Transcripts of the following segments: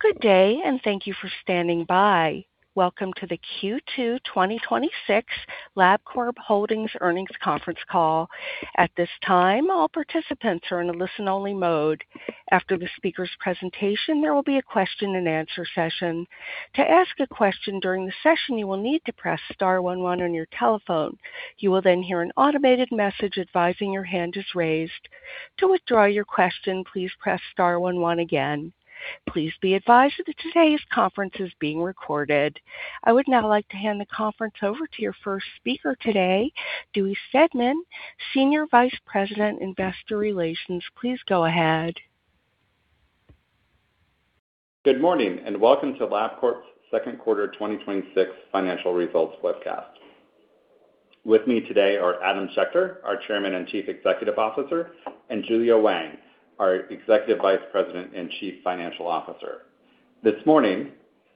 Good day, and thank you for standing by. Welcome to the Q2 2026 Labcorp Holdings earnings conference call. At this time, all participants are in a listen-only mode. After the speaker's presentation, there will be a question-and-answer session. To ask a question during the session, you will need to press star one one on your telephone. You will then hear an automated message advising your hand is raised. To withdraw your question, please press star one one again. Please be advised that today's conference is being recorded. I would now like to hand the conference over to your first speaker today, Dewey Steadman, Senior Vice President, Investor Relations. Please go ahead. Good morning, and welcome to Labcorp's second quarter 2026 financial results webcast. With me today are Adam Schechter, our Chairman and Chief Executive Officer, and Julia Wang, our Executive Vice President and Chief Financial Officer. This morning,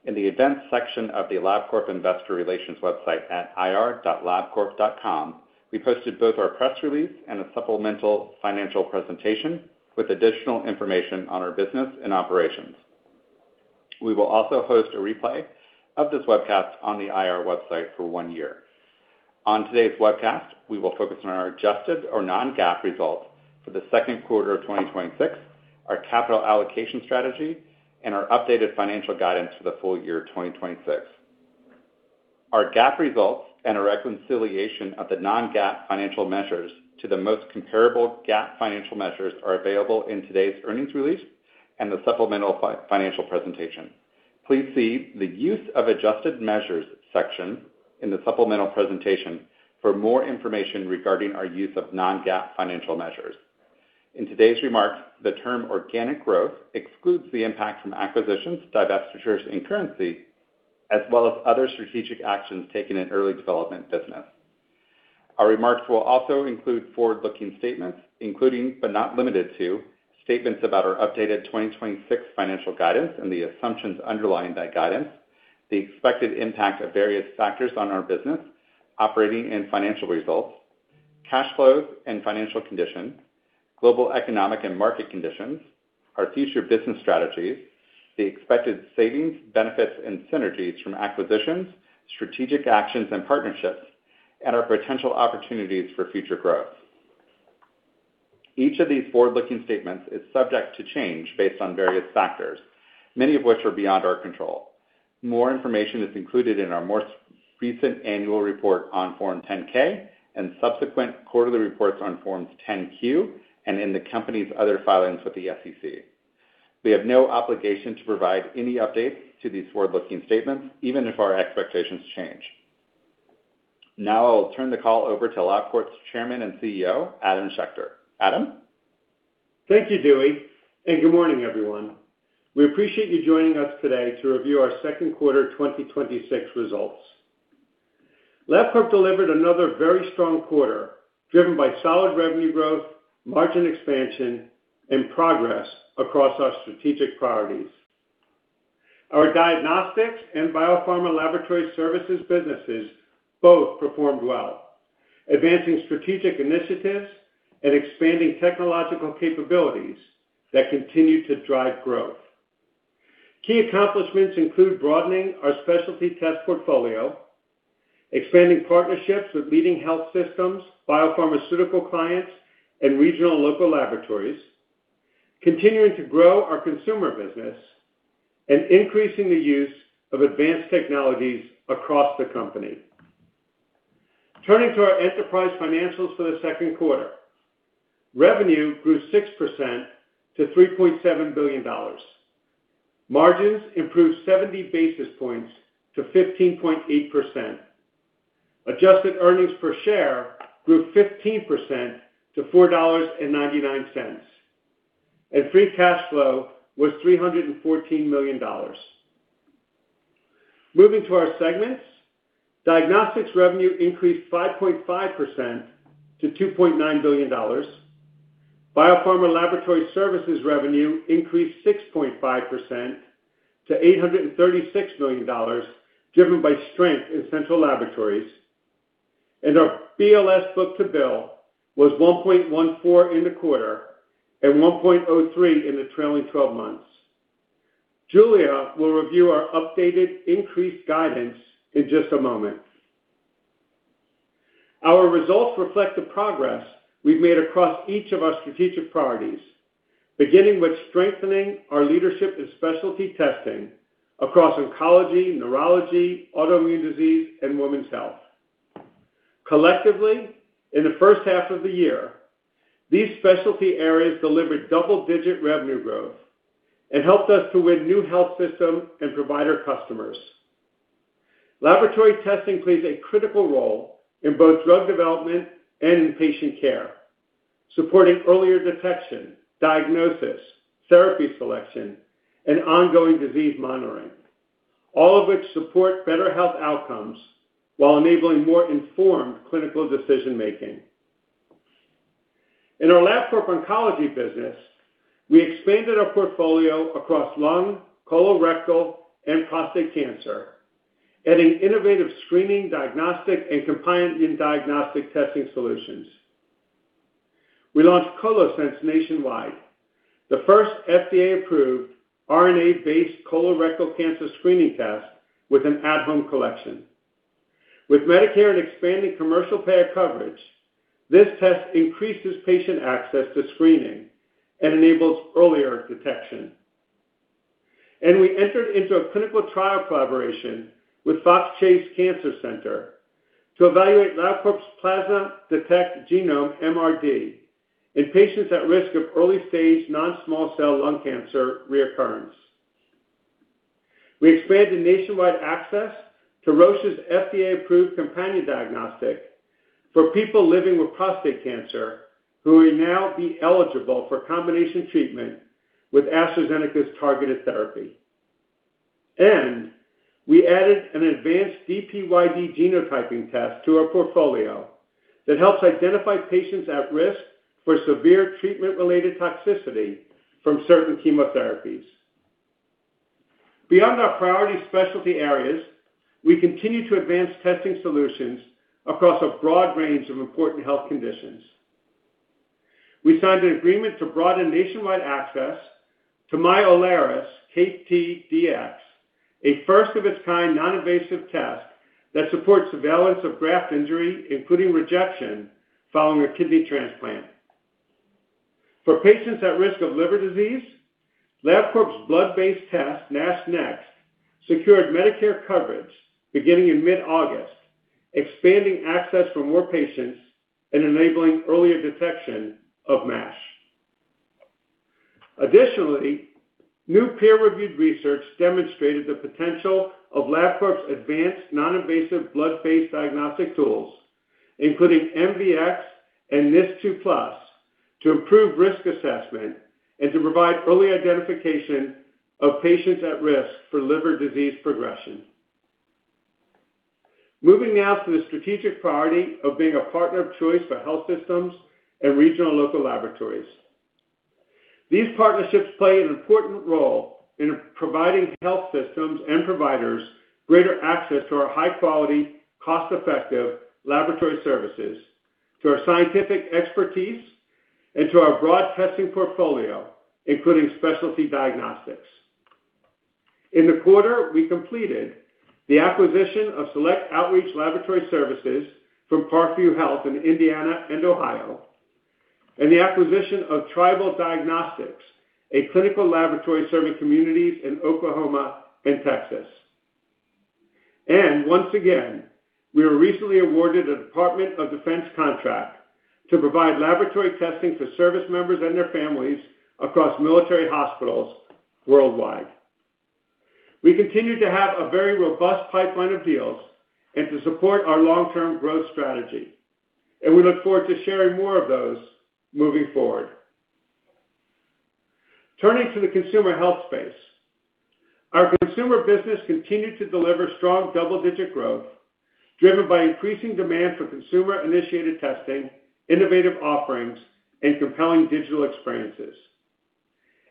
in the events section of the Labcorp Investor Relations website at ir.labcorp.com, we posted both our press release and a supplemental financial presentation with additional information on our business and operations. We will also host a replay of this webcast on the IR website for one year. On today's webcast, we will focus on our adjusted or non-GAAP results for the second quarter of 2026, our capital allocation strategy, and our updated financial guidance for the full year 2026. Our GAAP results and a reconciliation of the non-GAAP financial measures to the most comparable GAAP financial measures are available in today's earnings release and the supplemental financial presentation. Please see the Use of Adjusted Measures section in the supplemental presentation for more information regarding our use of non-GAAP financial measures. In today's remarks, the term organic growth excludes the impact from acquisitions, divestitures, and currency, as well as other strategic actions taken in early development business. Our remarks will also include forward-looking statements, including but not limited to, statements about our updated 2026 financial guidance and the assumptions underlying that guidance, the expected impact of various factors on our business, operating and financial results, cash flows and financial condition, global economic and market conditions, our future business strategies, the expected savings, benefits, and synergies from acquisitions, strategic actions and partnerships, and our potential opportunities for future growth. Each of these forward-looking statements is subject to change based on various factors, many of which are beyond our control. More information is included in our most recent annual report on Form 10-K and subsequent quarterly reports on Form 10-Q and in the company's other filings with the SEC. We have no obligation to provide any updates to these forward-looking statements, even if our expectations change. Now I'll turn the call over to Labcorp's Chairman and CEO, Adam Schechter. Adam? Thank you, Dewey, and good morning, everyone. We appreciate you joining us today to review our second quarter 2026 results. Labcorp delivered another very strong quarter, driven by solid revenue growth, margin expansion, and progress across our strategic priorities. Our Diagnostics and Biopharma laboratory services businesses both performed well, advancing strategic initiatives and expanding technological capabilities that continue to drive growth. Key accomplishments include broadening our specialty test portfolio, expanding partnerships with leading health systems, biopharmaceutical clients, and regional and local laboratories, continuing to grow our consumer business, and increasing the use of advanced technologies across the company. Turning to our enterprise financials for the second quarter. Revenue grew 6% to $3.7 billion. Margins improved 70 basis points to 15.8%. Adjusted earnings per share grew 15% to $4.99. Free cash flow was $314 million. Moving to our segments. Diagnostics revenue increased 5.5% to $2.9 billion. Biopharma Laboratory Services revenue increased 6.5% to $836 million, driven by strength in central laboratories. Our BLS book-to-bill was 1.14 in the quarter and 1.03 in the trailing 12 months. Julia will review our updated increased guidance in just a moment. Our results reflect the progress we've made across each of our strategic priorities, beginning with strengthening our leadership in specialty testing across oncology, neurology, autoimmune disease, and women's health. Collectively, in the first half of the year, these specialty areas delivered double-digit revenue growth and helped us to win new health system and provider customers. Laboratory testing plays a critical role in both drug development and in patient care, supporting earlier detection, diagnosis, therapy selection, and ongoing disease monitoring, all of which support better health outcomes while enabling more informed clinical decision-making. In our Labcorp Oncology business, we expanded our portfolio across lung, colorectal, and prostate cancer, adding innovative screening, diagnostic, and companion diagnostic testing solutions. We launched ColoSense nationwide, the first FDA-approved RNA-based colorectal cancer screening test with an at-home collection. With Medicare and expanding commercial payer coverage, this test increases patient access to screening and enables earlier detection. We entered into a clinical trial collaboration with Fox Chase Cancer Center to evaluate Labcorp's PlasmaDetect genome MRD in patients at risk of early-stage non-small cell lung cancer recurrence. We expanded nationwide access to Roche's FDA-approved companion diagnostic for people living with prostate cancer who will now be eligible for combination treatment with AstraZeneca's targeted therapy. We added an advanced DPYD genotyping test to our portfolio that helps identify patients at risk for severe treatment-related toxicity from certain chemotherapies. Beyond our priority specialty areas, we continue to advance testing solutions across a broad range of important health conditions. We signed an agreement to broaden nationwide access to myOLARIS-KTdx, a first-of-its-kind non-invasive test that supports surveillance of graft injury, including rejection following a kidney transplant. For patients at risk of liver disease, Labcorp's blood-based test, NASHnext, secured Medicare coverage beginning in mid-August, expanding access for more patients and enabling earlier detection of MASH. Additionally, new peer-reviewed research demonstrated the potential of Labcorp's advanced non-invasive blood-based diagnostic tools, including MVX and NIS2+, to improve risk assessment and to provide early identification of patients at risk for liver disease progression. Moving now to the strategic priority of being a partner of choice for health systems and regional and local laboratories. These partnerships play an important role in providing health systems and providers greater access to our high-quality, cost-effective laboratory services, to our scientific expertise, and to our broad testing portfolio, including specialty diagnostics. In the quarter, we completed the acquisition of select outreach laboratory services from Parkview Health in Indiana and Ohio, and the acquisition of Tribal Diagnostics, a clinical laboratory serving communities in Oklahoma and Texas. Once again, we were recently awarded a Department of Defense contract to provide laboratory testing for service members and their families across military hospitals worldwide. We continue to have a very robust pipeline of deals to support our long-term growth strategy, and we look forward to sharing more of those moving forward. Turning to the consumer health space. Our consumer business continued to deliver strong double-digit growth, driven by increasing demand for consumer-initiated testing, innovative offerings, and compelling digital experiences.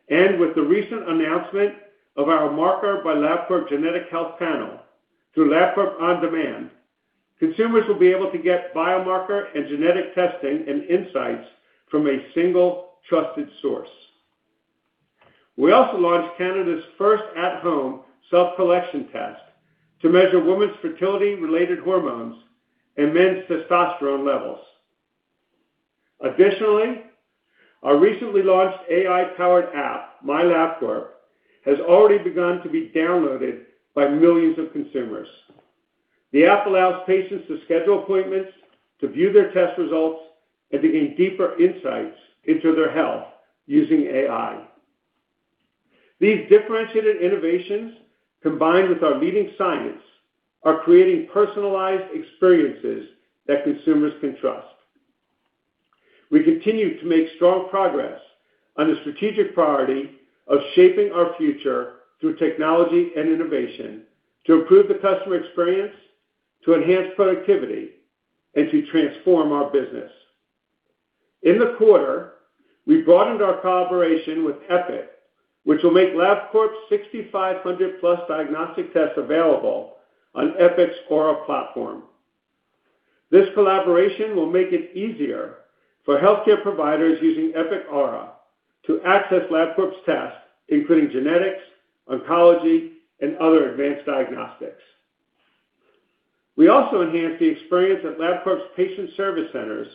With the recent announcement of our Marker by Labcorp genetic health panel through Labcorp OnDemand, consumers will be able to get biomarker and genetic testing and insights from a single trusted source. We also launched Canada's first at-home self-collection test to measure women's fertility-related hormones and men's testosterone levels. Additionally, our recently launched AI-powered app, MyLabcorp, has already begun to be downloaded by millions of consumers. The app allows patients to schedule appointments, to view their test results, and to gain deeper insights into their health using AI. These differentiated innovations, combined with our leading science, are creating personalized experiences that consumers can trust. We continue to make strong progress on the strategic priority of shaping our future through technology and innovation to improve the customer experience, to enhance productivity, and to transform our business. In the quarter, we broadened our collaboration with Epic, which will make Labcorp's 6,500-plus diagnostic tests available on Epic's Aura platform. This collaboration will make it easier for healthcare providers using Epic Aura to access Labcorp's tests, including genetics, oncology, and other advanced diagnostics. We also enhanced the experience at Labcorp's patient service centers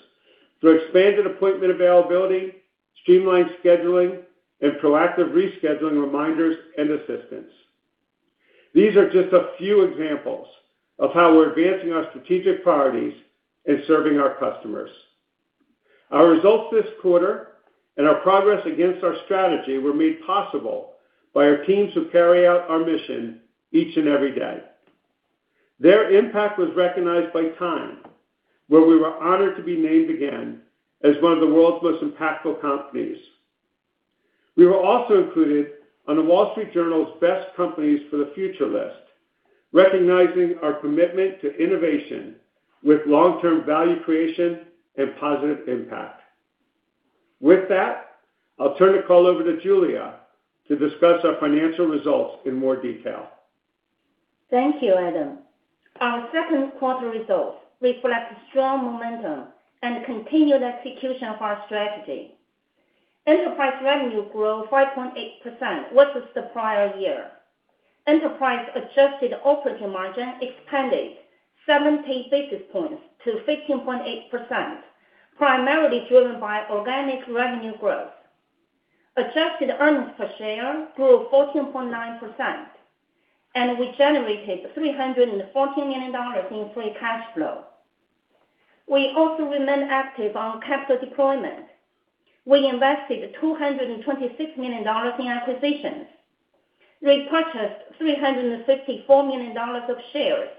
through expanded appointment availability, streamlined scheduling, and proactive rescheduling reminders and assistance. These are just a few examples of how we're advancing our strategic priorities and serving our customers. Our results this quarter and our progress against our strategy were made possible by our teams who carry out our mission each and every day. Their impact was recognized by Time, where we were honored to be named again as one of the world's most impactful companies. We were also included on The Wall Street Journal's Best Companies for the Future list, recognizing our commitment to innovation with long-term value creation and positive impact. With that, I'll turn the call over to Julia to discuss our financial results in more detail. Thank you, Adam. Our second quarter results reflect strong momentum and continued execution of our strategy. Enterprise revenue grew 5.8% versus the prior year. Enterprise adjusted operating margin expanded 70 basis points to 15.8%, primarily driven by organic revenue growth. Adjusted earnings per share grew 14.9%, and we generated $314 million in free cash flow. We also remain active on capital deployment. We invested $226 million in acquisitions, repurchased $354 million of shares,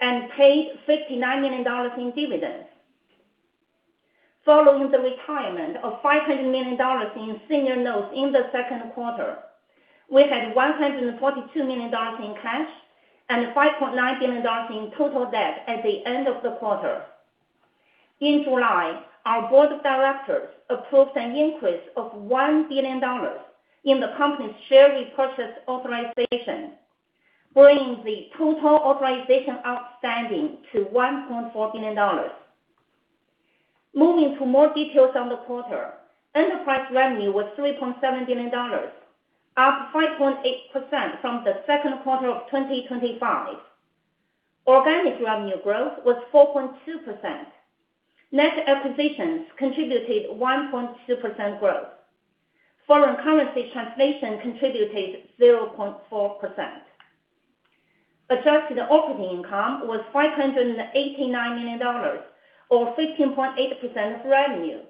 and paid $59 million in dividends. Following the retirement of $500 million in senior notes in the second quarter, we had $142 million in cash and $5.9 billion in total debt at the end of the quarter. In July, our board of directors approved an increase of $1 billion in the company's share repurchase authorization, bringing the total authorization outstanding to $1.4 billion. Moving to more details on the quarter, enterprise revenue was $3.7 billion, up 5.8% from the second quarter of 2025. Organic revenue growth was 4.2%. Net acquisitions contributed 1.2% growth. Foreign currency translation contributed 0.4%. Adjusted operating income was $589 million, or 15.8% of revenue,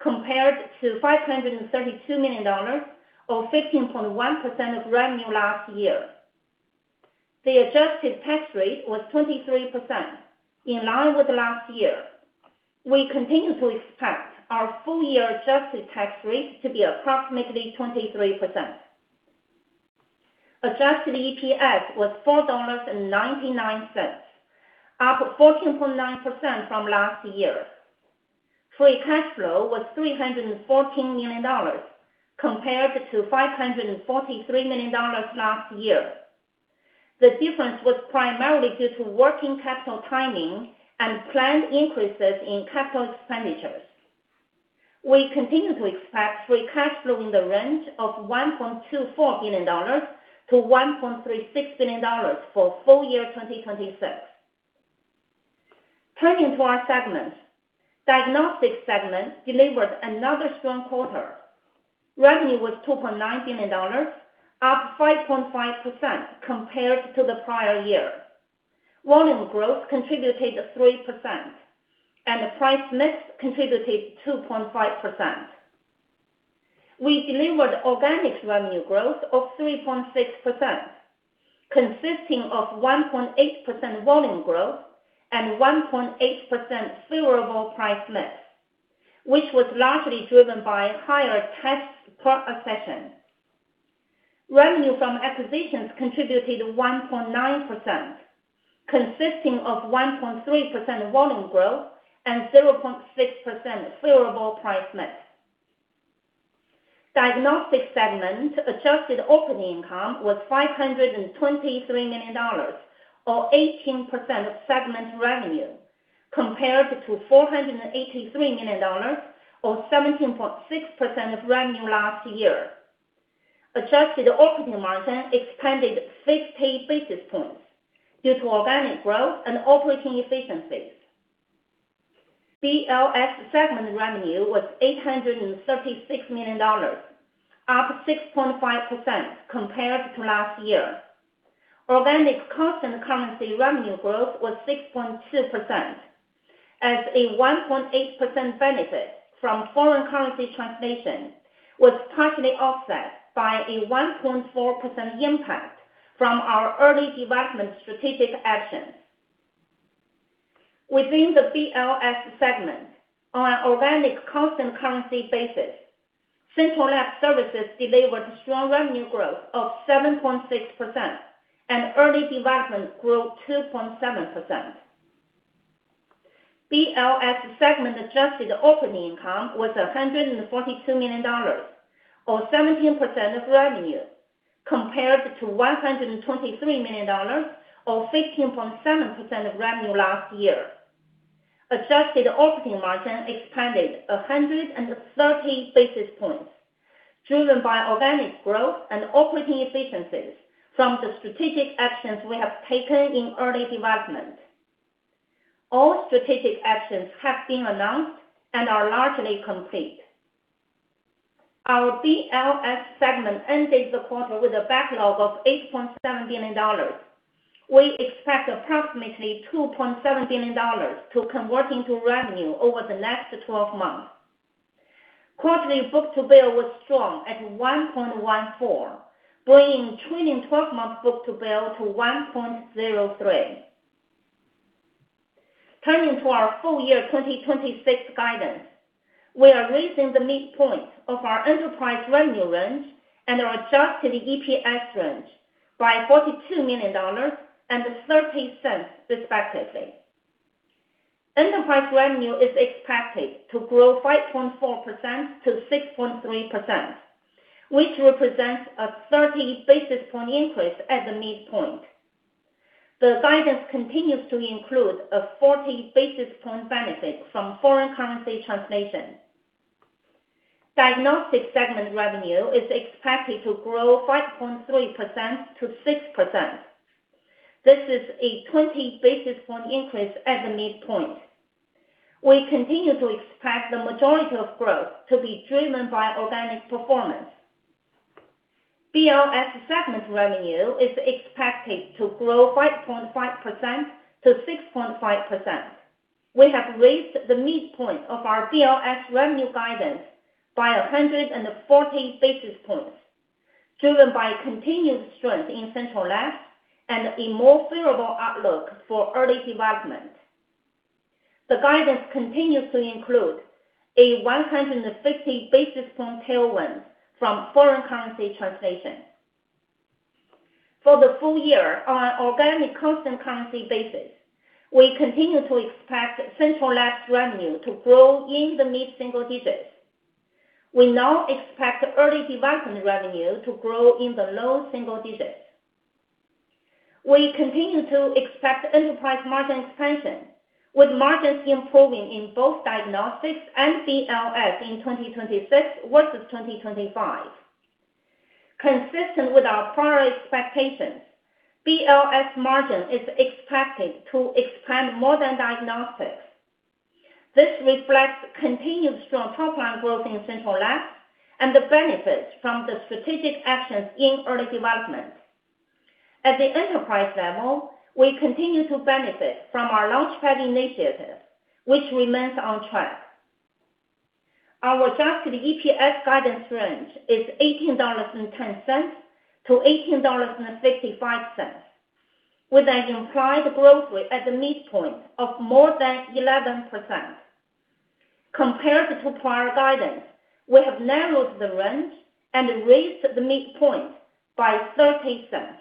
compared to $532 million or 15.1% of revenue last year. The adjusted tax rate was 23%, in line with last year. We continue to expect our full-year adjusted tax rate to be approximately 23%. Adjusted EPS was $4.99, up 14.9% from last year. Free cash flow was $314 million, compared to $543 million last year. The difference was primarily due to working capital timing and planned increases in capital expenditures. We continue to expect free cash flow in the range of $1.24 billion to $1.36 billion for full year 2026. Turning to our segments. Diagnostics segment delivered another strong quarter. Revenue was $2.9 billion, up 5.5% compared to the prior year. Volume growth contributed 3%, and price mix contributed 2.5%. We delivered organic revenue growth of 3.6%, consisting of 1.8% volume growth and 1.8% favorable price mix, which was largely driven by higher tests per session. Revenue from acquisitions contributed 1.9%, consisting of 1.3% volume growth and 0.6% favorable price mix. Diagnostics segment adjusted operating income was $523 million, or 18% of segment revenue, compared to $483 million or 17.6% of revenue last year. Adjusted operating margin expanded 50 basis points due to organic growth and operating efficiencies. BLS segment revenue was $836 million, up 6.5% compared to last year. Organic constant currency revenue growth was 6.2%, as a 1.8% benefit from foreign currency translation was partially offset by a 1.4% impact from our early development strategic actions. Within the BLS segment, on an organic constant currency basis, Central Lab Services delivered strong revenue growth of 7.6%, and early development grew 2.7%. BLS segment adjusted operating income was $142 million, or 17% of revenue, compared to $123 million, or 15.7% of revenue last year. Adjusted operating margin expanded 130 basis points, driven by organic growth and operating efficiencies from the strategic actions we have taken in early development. All strategic actions have been announced and are largely complete. Our BLS segment ended the quarter with a backlog of $8.7 billion. We expect approximately $2.7 billion to convert into revenue over the next 12 months. Quarterly book-to-bill was strong at 1.14, bringing trailing 12-month book-to-bill to 1.03. Turning to our full year 2026 guidance, we are raising the midpoint of our enterprise revenue range and our adjusted EPS range by $42 million and $0.30 respectively. Enterprise revenue is expected to grow 5.4%-6.3%, which represents a 30 basis point increase at the midpoint. The guidance continues to include a 40 basis point benefit from foreign currency translation. Diagnostics segment revenue is expected to grow 5.3%-6%. This is a 20 basis point increase at the midpoint. We continue to expect the majority of growth to be driven by organic performance. BLS segment revenue is expected to grow 5.5%-6.5%. We have raised the midpoint of our BLS revenue guidance by 140 basis points, driven by continued strength in Central Lab and a more favorable outlook for Early Development. The guidance continues to include a 150 basis point tailwind from foreign currency translation. For the full year, on an organic constant currency basis, we continue to expect Central Lab's revenue to grow in the mid-single digits. We now expect Early Development revenue to grow in the low single digits. We continue to expect enterprise margin expansion, with margins improving in both Diagnostics and BLS in 2026 versus 2025. Consistent with our prior expectations, BLS margin is expected to expand more than Diagnostics. This reflects continued strong top-line growth in Central Lab and the benefits from the strategic actions in Early Development. At the Enterprise level, we continue to benefit from our LaunchPad initiative, which remains on track. Our adjusted EPS guidance range is $18.10-$18.55, with an implied growth at the midpoint of more than 11%. Compared to prior guidance, we have narrowed the range and raised the midpoint by $0.30.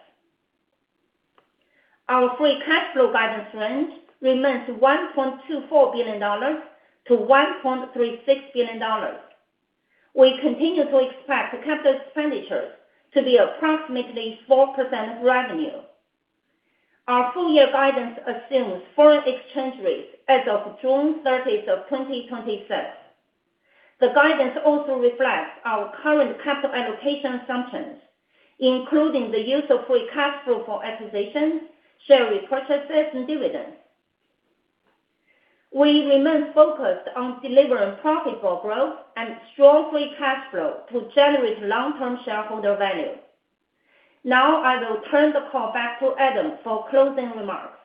Our free cash flow guidance range remains $1.24 billion-$1.36 billion. We continue to expect capital expenditures to be approximately 4% of revenue. Our full year guidance assumes foreign exchange rates as of June 30th of 2026. The guidance also reflects our current capital allocation assumptions, including the use of free cash flow for acquisitions, share repurchases and dividends. We remain focused on delivering profitable growth and strong free cash flow to generate long-term shareholder value. I will turn the call back to Adam for closing remarks.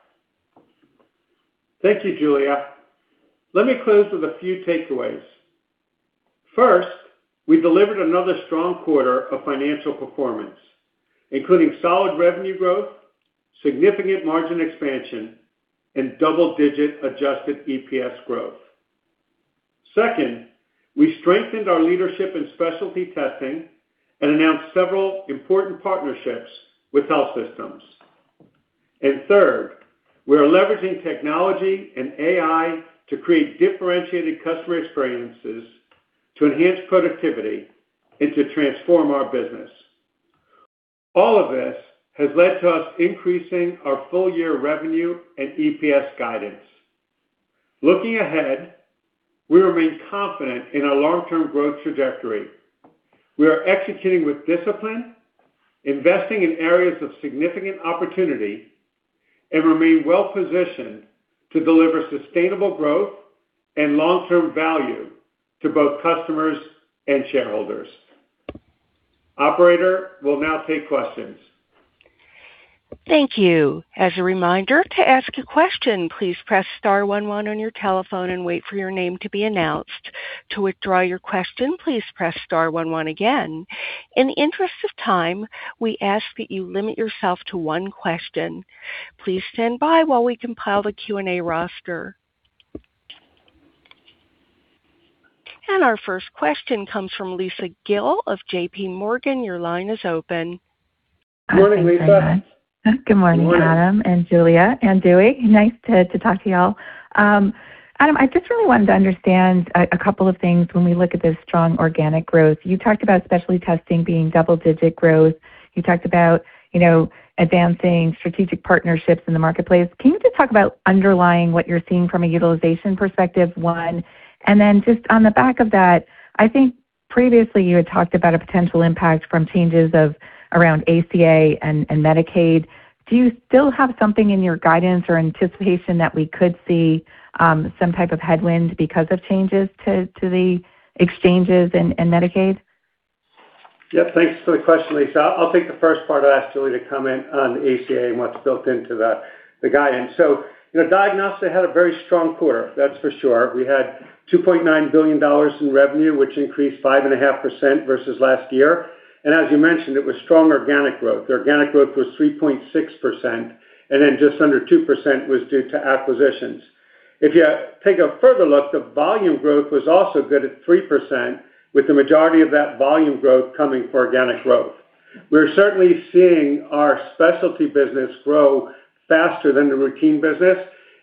Thank you, Julia. Let me close with a few takeaways. First, we delivered another strong quarter of financial performance, including solid revenue growth, significant margin expansion, and double-digit adjusted EPS growth. Second, we strengthened our leadership in specialty testing and announced several important partnerships with health systems. Third, we are leveraging technology and AI to create differentiated customer experiences to enhance productivity and to transform our business. All of this has led to us increasing our full-year revenue and EPS guidance. Looking ahead, we remain confident in our long-term growth trajectory. We are executing with discipline, investing in areas of significant opportunity, and remain well-positioned to deliver sustainable growth and long-term value to both customers and shareholders. Operator, we'll now take questions. Thank you. As a reminder, to ask a question, please press star one one on your telephone and wait for your name to be announced. To withdraw your question, please press star one one again. In the interest of time, we ask that you limit yourself to one question. Please stand by while we compile the Q&A roster. Our first question comes from Lisa Gill of JPMorgan. Your line is open. Morning, Lisa. Good morning, Adam. Morning Julia and Dewey. Nice to talk to you all. Adam, I just really wanted to understand a couple of things when we look at this strong organic growth. You talked about specialty testing being double-digit growth. You talked about advancing strategic partnerships in the marketplace. Can you just talk about underlying what you're seeing from a utilization perspective, one? Then just on the back of that, I think previously you had talked about a potential impact from changes of around ACA and Medicaid. Do you still have something in your guidance or anticipation that we could see some type of headwind because of changes to the exchanges and Medicaid? Yeah. Thanks for the question, Lisa. I'll take the first part, and I'll ask Julia to comment on the ACA and what's built into the guidance. Diagnostics had a very strong quarter, that's for sure. We had $2.9 billion in revenue, which increased 5.5% versus last year. As you mentioned, it was strong organic growth. The organic growth was 3.6%, and then just under 2% was due to acquisitions. If you take a further look, the volume growth was also good at 3%, with the majority of that volume growth coming from organic growth. We're certainly seeing our specialty business grow faster than the routine business,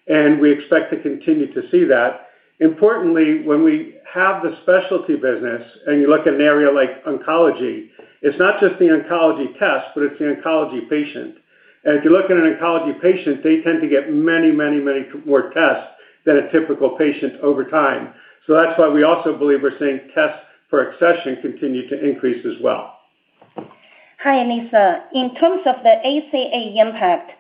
and we expect to continue to see that. Importantly, when we have the specialty business and you look at an area like oncology, it's not just the oncology test, but it's the oncology patient. If you look at an oncology patient, they tend to get many more tests than a typical patient over time. That's why we also believe we're seeing tests per accession continue to increase as well. Hi, Lisa. In terms of the ACA impact,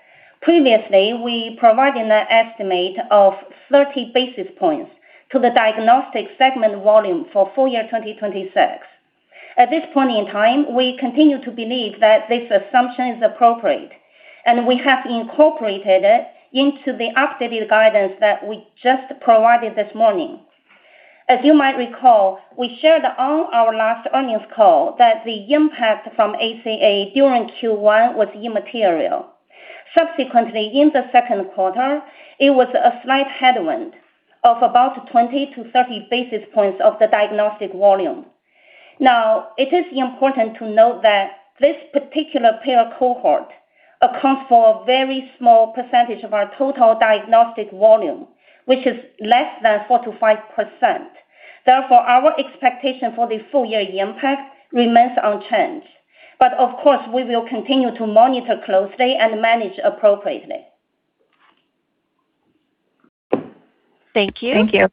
previously, we provided an estimate of 30 basis points to the diagnostic segment volume for full year 2026. At this point in time, we continue to believe that this assumption is appropriate, and we have incorporated it into the updated guidance that we just provided this morning. As you might recall, we shared on our last earnings call that the impact from ACA during Q1 was immaterial. Subsequently, in the second quarter, it was a slight headwind of about 20-30 basis points of the diagnostic volume. It is important to note that this particular payer cohort accounts for a very small percentage of our total diagnostic volume, which is less than 4%-5%. Our expectation for the full year impact remains unchanged. Of course, we will continue to monitor closely and manage appropriately. Thank you. Thank you.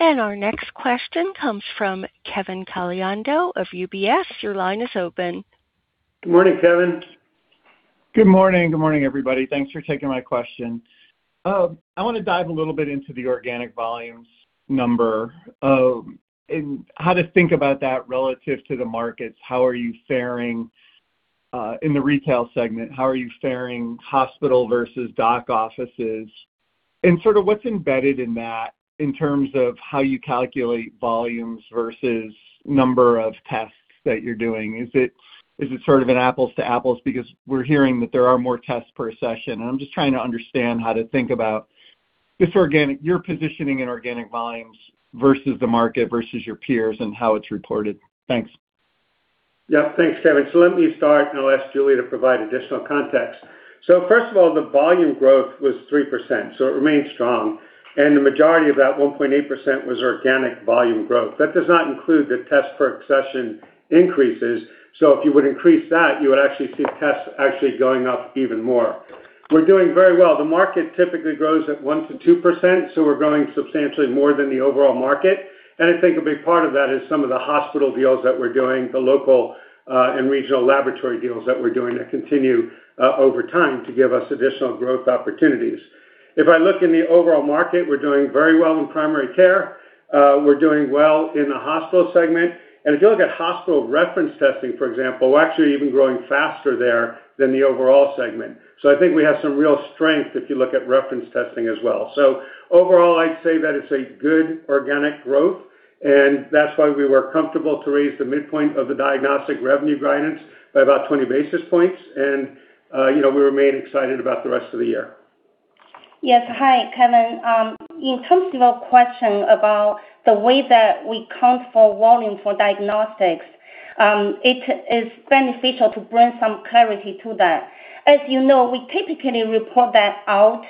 Our next question comes from Kevin Caliendo of UBS. Your line is open. Good morning, Kevin. Good morning. Good morning, everybody. Thanks for taking my question. I want to dive a little bit into the organic volumes number, and how to think about that relative to the markets. How are you faring in the retail segment? How are you faring hospital versus doc offices? What's embedded in that in terms of how you calculate volumes versus number of tests that you're doing? Is it sort of an apples to apples? Because we're hearing that there are more tests per accession, and I'm just trying to understand how to think about your positioning in organic volumes versus the market, versus your peers and how it's reported. Thanks. Thanks, Kevin. Let me start, and I'll ask Julia to provide additional context. First of all, the volume growth was 3%, so it remains strong. The majority of that 1.8% was organic volume growth. That does not include the test per accession increases. If you would increase that, you would actually see tests going up even more. We're doing very well. The market typically grows at 1%-2%, so we're growing substantially more than the overall market. I think a big part of that is some of the hospital deals that we're doing, the local, and regional laboratory deals that we're doing that continue over time to give us additional growth opportunities. If I look in the overall market, we're doing very well in primary care. We're doing well in the hospital segment. If you look at hospital reference testing, for example, we're actually even growing faster there than the overall segment. I think we have some real strength if you look at reference testing as well. Overall, I'd say that it's a good organic growth, and that's why we were comfortable to raise the midpoint of the diagnostic revenue guidance by about 20 basis points. We remain excited about the rest of the year. Yes. Hi, Kevin. In terms of your question about the way that we count for volume for diagnostics, it is beneficial to bring some clarity to that. As you know, we typically report that out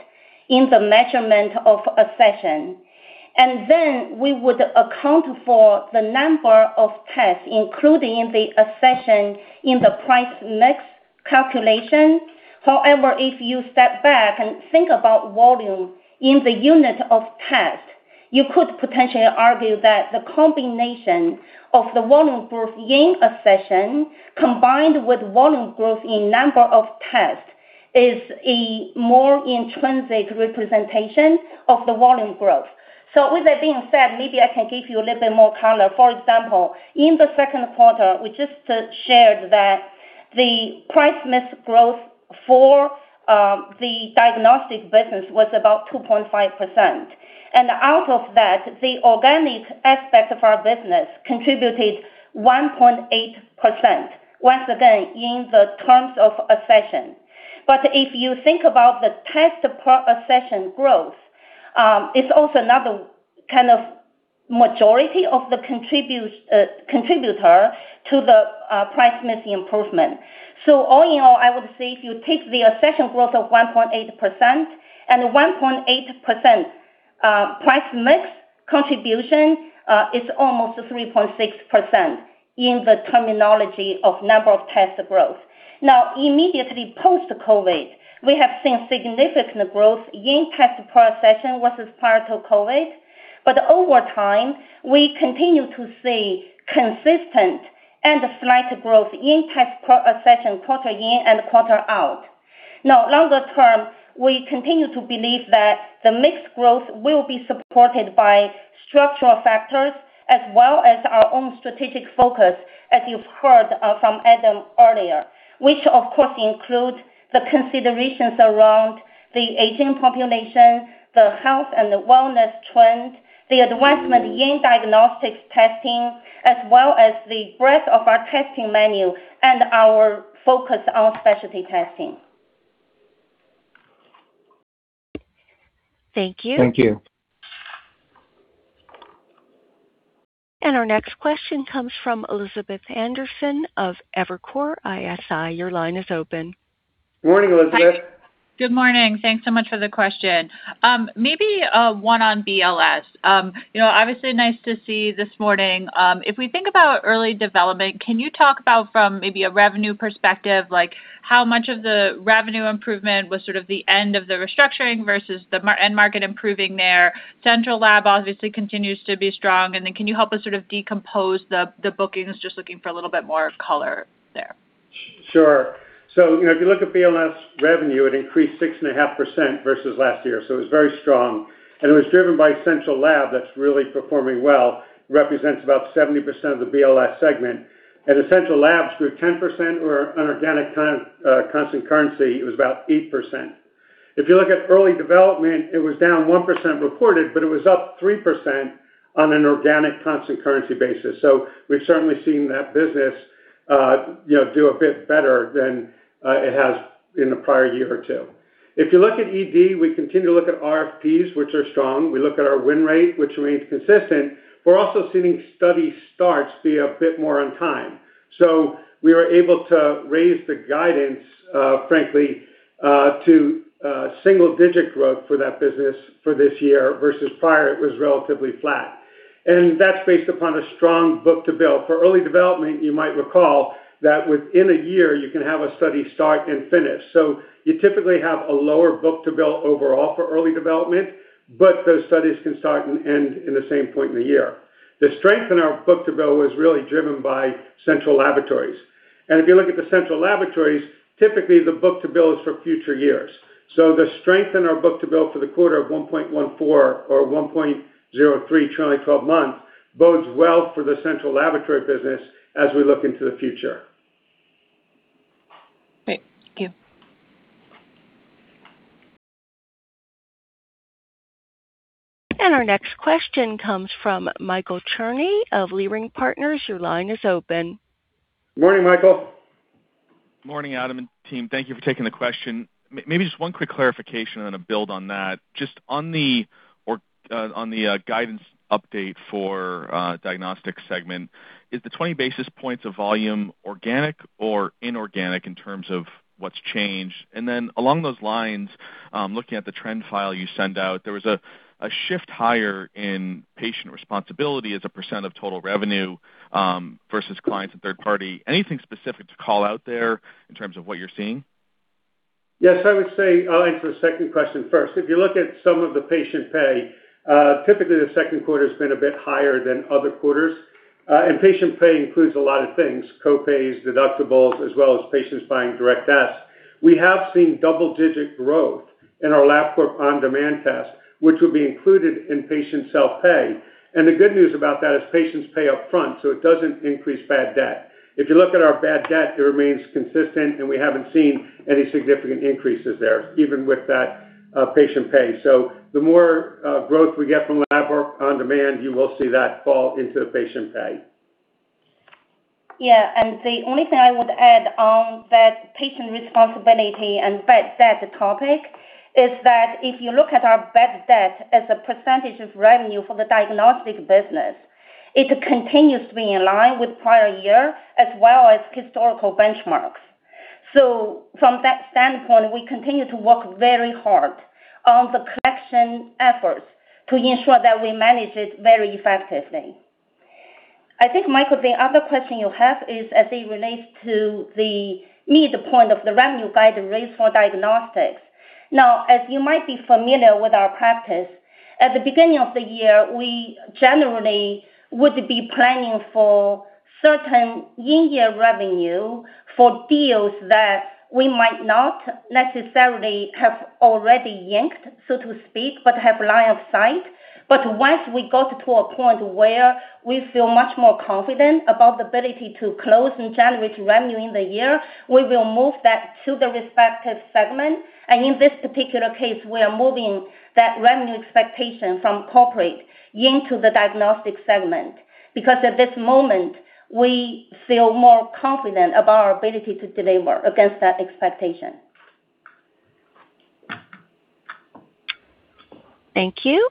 in the measurement of accession, and then we would account for the number of tests, including the accession in the price mix calculation. However, if you step back and think about volume in the unit of test, you could potentially argue that the combination of the volume growth in accession combined with volume growth in number of tests is a more intrinsic representation of the volume growth. With that being said, maybe I can give you a little bit more color. For example, in the second quarter, we just shared that the price mix growth for the diagnostic business was about 2.5%. Out of that, the organic aspect of our business contributed 1.8%, once again, in the terms of accession. If you think about the test per accession growth, it's also another kind of majority of the contributor to the price mix improvement. All in all, I would say if you take the accession growth of 1.8% and 1.8% price mix contribution, it's almost 3.6% in the terminology of number of test growth. Immediately post-COVID, we have seen significant growth in test per accession versus prior to COVID. Over time, we continue to see consistent and slight growth in test per accession quarter in and quarter out. Longer term, we continue to believe that the mix growth will be supported by structural factors as well as our own strategic focus, as you've heard from Adam earlier. Which of course includes the considerations around the aging population, the health and wellness trend, the advancement in diagnostics testing, as well as the breadth of our testing menu and our focus on specialty testing. Thank you. Thank you. Our next question comes from Elizabeth Anderson of Evercore ISI. Your line is open. Morning, Elizabeth. Good morning. Thanks so much for the question. Maybe one on BLS. Obviously, nice to see this morning. If we think about early development, can you talk about from maybe a revenue perspective, how much of the revenue improvement was sort of the end of the restructuring versus the end market improving there? Central Lab obviously continues to be strong, and then can you help us sort of decompose the bookings? Just looking for a little bit more color there. If you look at BLS revenue, it increased 6.5% versus last year, so it was very strong. It was driven by Central Lab that's really performing well, represents about 70% of the BLS segment. Central Lab grew 10%, or on organic constant currency, it was about 8%. If you look at early development, it was down 1% reported, but it was up 3% on an organic constant currency basis. We've certainly seen that business do a bit better than it has in the prior year or two. If you look at ED, we continue to look at RFPs, which are strong. We look at our win rate, which remains consistent. We're also seeing study starts be a bit more on time. We were able to raise the guidance, frankly, to single-digit growth for that business for this year versus prior, it was relatively flat. That's based upon a strong book-to-bill. For early development, you might recall that within a year, you can have a study start and finish. You typically have a lower book-to-bill overall for early development, but those studies can start and end in the same point in the year. The strength in our book-to-bill is really driven by Central Laboratories. If you look at the Central Laboratories, typically the book-to-bill is for future years. The strength in our book-to-bill for the quarter of 1.14 or 1.03 trailing 12-month bodes well for the Central Laboratory business as we look into the future. Great. Thank you. Our next question comes from Michael Cherny of Leerink Partners. Your line is open. Morning, Michael. Morning, Adam and team. Thank you for taking the question. Maybe just one quick clarification and then a build on that. Just on the guidance update for diagnostics segment, is the 20 basis points of volume organic or inorganic in terms of what's changed? Then along those lines, looking at the trend file you send out, there was a shift higher in patient responsibility as a percent of total revenue versus clients and third party. Anything specific to call out there in terms of what you're seeing? Yes, I would say I'll answer the second question first. If you look at some of the patient pay, typically the second quarter's been a bit higher than other quarters. Patient pay includes a lot of things, co-pays, deductibles, as well as patients buying direct tests. We have seen double-digit growth in our Labcorp OnDemand test, which will be included in patient self-pay. The good news about that is patients pay upfront, so it doesn't increase bad debt. If you look at our bad debt, it remains consistent, and we haven't seen any significant increases there, even with that patient pay. The more growth we get from Labcorp OnDemand, you will see that fall into the patient pay. The only thing I would add on that patient responsibility and bad debt topic is that if you look at our bad debt as a percentage of revenue for the diagnostic business, it continues to be in line with prior year as well as historical benchmarks. From that standpoint, we continue to work very hard on the collection efforts to ensure that we manage it very effectively. I think, Michael, the other question you have is as it relates to the midpoint of the revenue guidance raised for diagnostics. As you might be familiar with our practice, at the beginning of the year, we generally would be planning for certain in-year revenue for deals that we might not necessarily have already inked, so to speak, but have line of sight. Once we got to a point where we feel much more confident about the ability to close and generate revenue in the year, we will move that to the respective segment. In this particular case, we are moving that revenue expectation from corporate into the diagnostic segment, because at this moment, we feel more confident about our ability to deliver against that expectation. Thank you.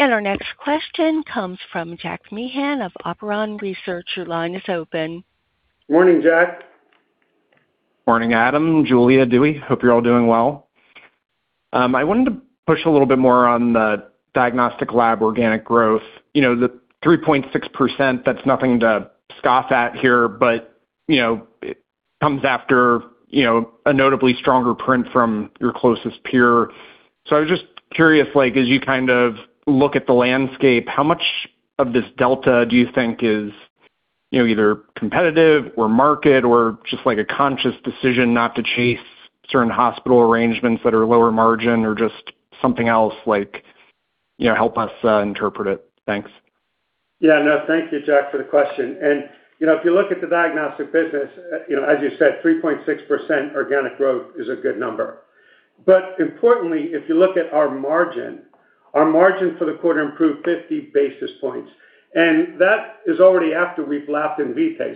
Our next question comes from Jack Meehan of Nephron Research. Your line is open. Morning, Jack. Morning, Adam, Julia, Dewey. Hope you're all doing well. I wanted to push a little bit more on the diagnostic lab organic growth. The 3.6%, that is nothing to scoff at here, but it comes after a notably stronger print from your closest peer. I was just curious, as you kind of look at the landscape, how much of this delta do you think is either competitive or market or just a conscious decision not to chase certain hospital arrangements that are lower margin or just something else, help us interpret it. Thanks. Yeah, no, thank you, Jack, for the question. If you look at the diagnostic business, as you said, 3.6% organic growth is a good number. Importantly, if you look at Our margin for the quarter improved 50 basis points, and that is already after we've lapped Invitae.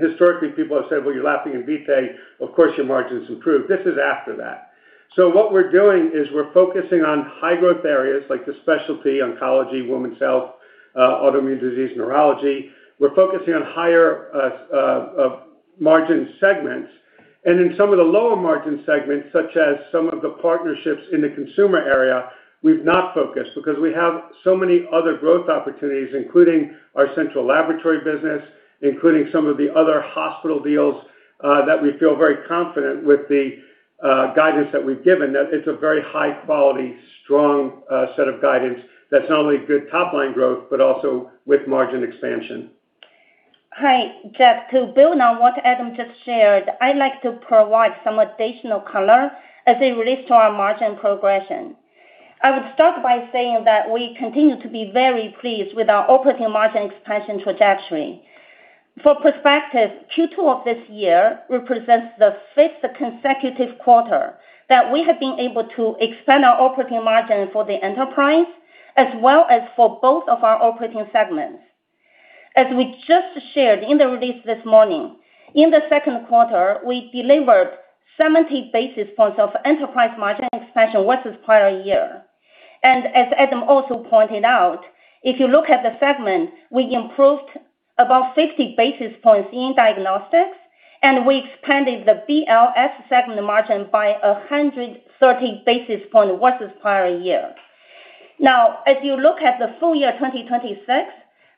Historically, people have said, "Well, you're lapping Invitae, of course, your margins improve." This is after that. What we're doing is we're focusing on high growth areas like the specialty, oncology, women's health, autoimmune disease, neurology. We're focusing on higher margin segments. In some of the lower margin segments, such as some of the partnerships in the consumer area, we've not focused because we have so many other growth opportunities, including our central laboratory business, including some of the other hospital deals, that we feel very confident with the guidance that we've given, that it's a very high quality, strong set of guidance that's not only good top line growth, but also with margin expansion. Hi, Jack. To build on what Adam just shared, I'd like to provide some additional color as it relates to our margin progression. I would start by saying that we continue to be very pleased with our operating margin expansion trajectory. For perspective, Q2 of this year represents the fifth consecutive quarter that we have been able to expand our operating margin for the enterprise, as well as for both of our operating segments. As we just shared in the release this morning, in the second quarter, we delivered 70 basis points of enterprise margin expansion versus prior year. As Adam also pointed out, if you look at the segment, we improved about 50 basis points in diagnostics, and we expanded the BLS segment margin by 130 basis points versus prior year. As you look at the full year 2026,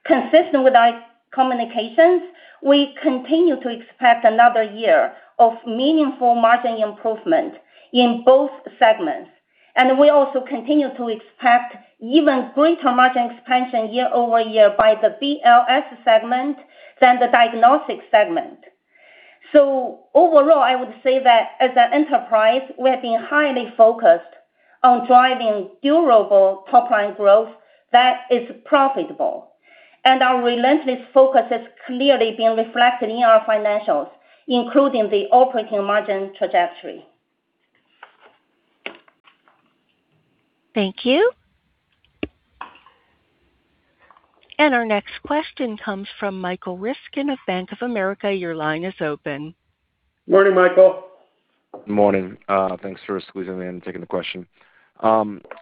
consistent with our communications, we continue to expect another year of meaningful margin improvement in both segments. We also continue to expect even greater margin expansion year-over-year by the BLS segment than the Diagnostic segment. Overall, I would say that as an enterprise, we have been highly focused on driving durable top line growth that is profitable. Our relentless focus has clearly been reflected in our financials, including the operating margin trajectory. Thank you. Our next question comes from Michael Ryskin of Bank of America. Your line is open. Morning, Michael. Morning. Thanks for squeezing me in, taking the question.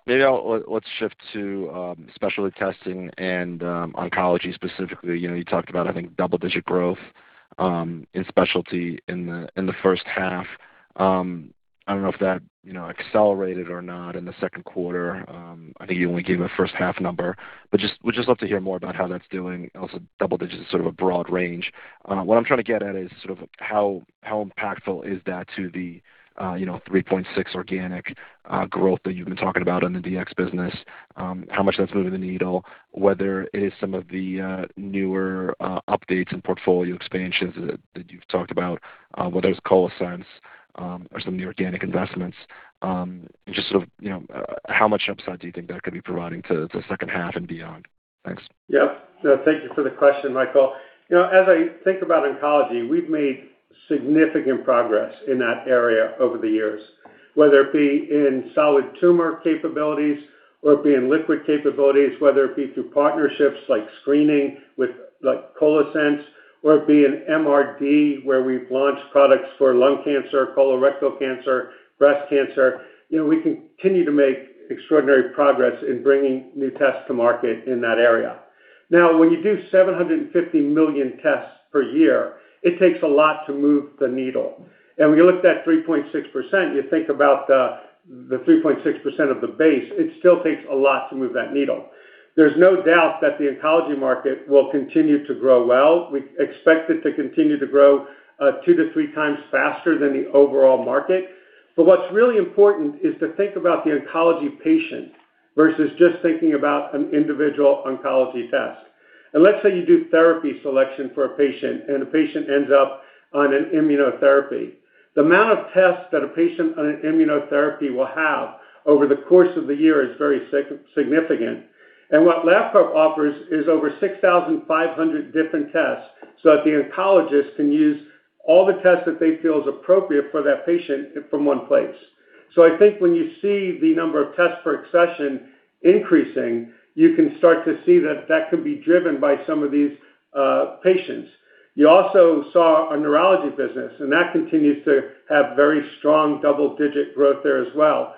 Let's shift to specialty testing and oncology specifically. You talked about, I think, double-digit growth, in specialty in the first half. I don't know if that accelerated or not in the second quarter. I think you only gave a first half number, would just love to hear more about how that's doing. Double digits is sort of a broad range. What I'm trying to get at is sort of how impactful is that to the 3.6% organic growth that you've been talking about on the DX business, how much that's moving the needle, whether it is some of the newer updates and portfolio expansions that you've talked about, whether it's ColoSense or some of the organic investments, and just sort of how much upside do you think that could be providing to the second half and beyond? Thanks. Yeah. No, thank you for the question, Michael. As I think about oncology, we've made significant progress in that area over the years, whether it be in solid tumor capabilities or it be in liquid capabilities, whether it be through partnerships like screening with ColoSense, or it be in MRD, where we've launched products for lung cancer, colorectal cancer, breast cancer. We continue to make extraordinary progress in bringing new tests to market in that area. When you do 750 million tests per year, it takes a lot to move the needle. When you look at that 3.6%, you think about the 3.6% of the base, it still takes a lot to move that needle. There's no doubt that the oncology market will continue to grow well. We expect it to continue to grow two to three times faster than the overall market. What's really important is to think about the oncology patient versus just thinking about an individual oncology test. Let's say you do therapy selection for a patient, and the patient ends up on an immunotherapy. The amount of tests that a patient on an immunotherapy will have over the course of the year is very significant. What Labcorp offers is over 6,500 different tests so that the oncologist can use all the tests that they feel is appropriate for that patient from one place. I think when you see the number of tests per accession increasing, you can start to see that that could be driven by some of these patients. You also saw our neurology business, that continues to have very strong double-digit growth there as well.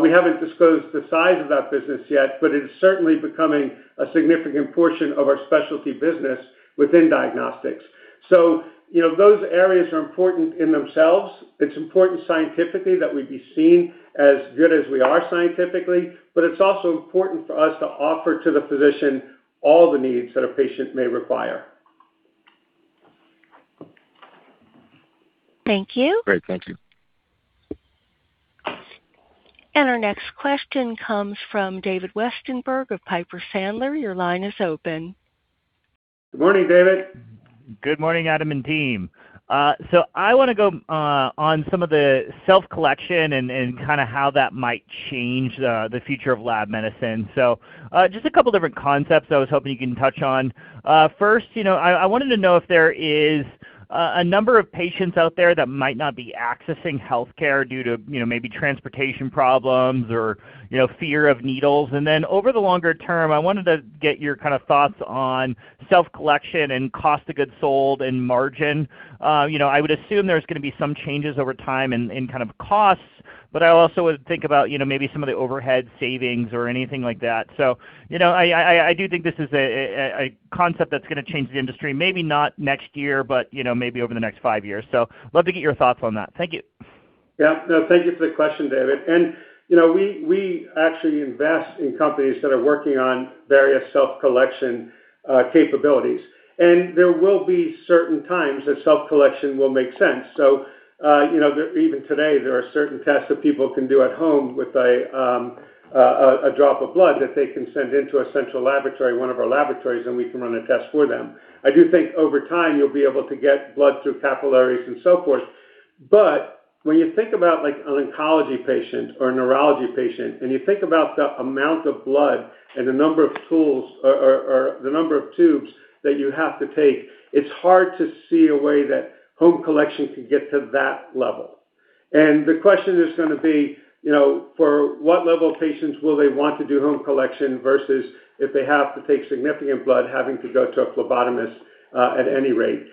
We haven't disclosed the size of that business yet, it is certainly becoming a significant portion of our specialty business within diagnostics. Those areas are important in themselves. It's important scientifically that we be seen as good as we are scientifically, it's also important for us to offer to the physician all the needs that a patient may require. Thank you. Great. Thank you. Our next question comes from David Westenberg of Piper Sandler. Your line is open. Morning, David. Good morning, Adam and team. I want to go on some of the self-collection and kind of how that might change the future of lab medicine. Just a couple different concepts I was hoping you can touch on. First, I wanted to know if there is a number of patients out there that might not be accessing healthcare due to maybe transportation problems or fear of needles. Over the longer term, I wanted to get your thoughts on self-collection and cost of goods sold and margin. I would assume there's going to be some changes over time in costs. I also would think about maybe some of the overhead savings or anything like that. I do think this is a concept that's going to change the industry, maybe not next year, but maybe over the next five years. Love to get your thoughts on that. Thank you. Yeah. No, thank you for the question, David. We actually invest in companies that are working on various self-collection capabilities. There will be certain times that self-collection will make sense. Even today, there are certain tests that people can do at home with a drop of blood that they can send into a central laboratory, one of our laboratories, and we can run a test for them. I do think over time, you'll be able to get blood through capillaries and so forth. When you think about an oncology patient or a neurology patient, and you think about the amount of blood and the number of tubes that you have to take, it's hard to see a way that home collection can get to that level. The question is going to be, for what level of patients will they want to do home collection versus if they have to take significant blood, having to go to a phlebotomist at any rate.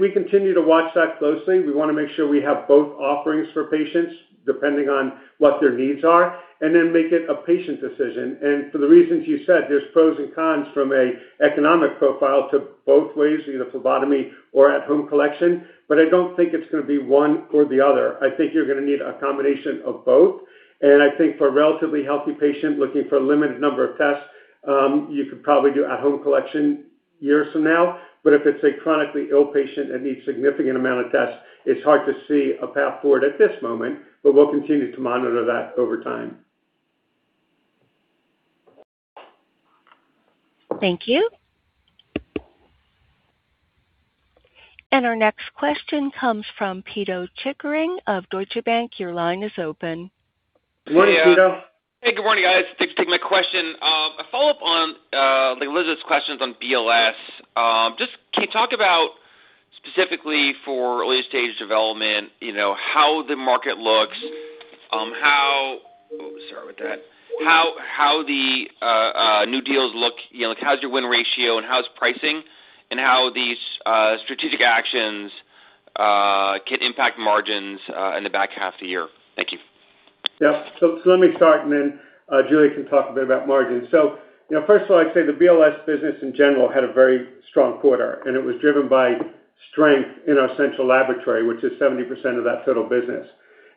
We continue to watch that closely. We want to make sure we have both offerings for patients, depending on what their needs are, and then make it a patient decision. For the reasons you said, there's pros and cons from an economic profile to both ways, either phlebotomy or at home collection. I don't think it's going to be one or the other. I think you're going to need a combination of both. I think for a relatively healthy patient looking for a limited number of tests, you could probably do at home collection years from now. If it's a chronically ill patient that needs significant amount of tests, it's hard to see a path forward at this moment. We'll continue to monitor that over time. Thank you. Our next question comes from Pito Chickering of Deutsche Bank. Your line is open. Good morning, Pito. Hey, good morning, guys. Thanks for taking my question. A follow-up on Elizabeth's questions on BLS. Can you talk about specifically for early-stage development, how the market looks, how the new deals look, how's your win ratio and how's pricing, and how these strategic actions can impact margins in the back half of the year? Thank you. Let me start, and then Julia can talk a bit about margins. I'd say the BLS business in general had a very strong quarter, and it was driven by strength in our central laboratory, which is 70% of that total business.